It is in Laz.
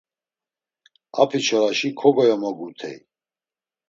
Apiçoraşi kogoyomogutey.